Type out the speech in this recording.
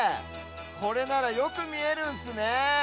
これならよくみえるんすねえ。